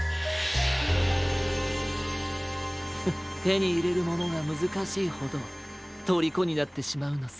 フッてにいれるものがむずかしいほどとりこになってしまうのさ。